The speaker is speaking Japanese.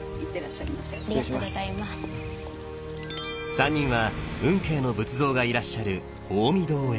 ３人は運慶の仏像がいらっしゃる大御堂へ。